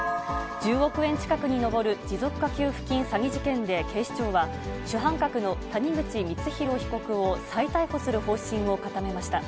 １０億円近くに上る持続化給付金詐欺事件で警視庁は、主犯格の谷口光弘被告を再逮捕する方針を固めました。